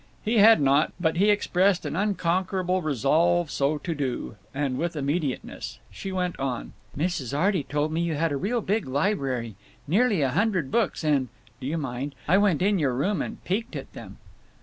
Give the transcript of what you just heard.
He had not, but he expressed an unconquerable resolve so to do, and with immediateness. She went on: "Mrs. Arty told me you had a real big library—nearly a hundred books and—Do you mind? I went in your room and peeked at them."